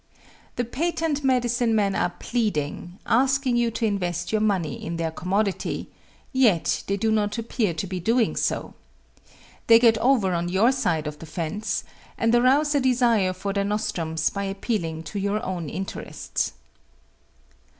The patent medicine men are pleading asking you to invest your money in their commodity yet they do not appear to be doing so. They get over on your side of the fence, and arouse a desire for their nostrums by appealing to your own interests.